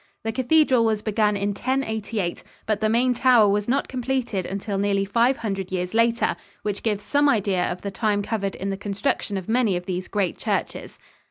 The cathedral was begun in 1088, but the main tower was not completed until nearly five hundred years later, which gives some idea of the time covered in the construction of many of these great churches.